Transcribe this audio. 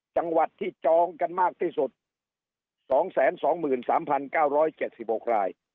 จังหวัดที่จองกันมากที่สุดสองแสนสองหมื่นสามพันเก้าร้อยเจ็ดสิบหกราย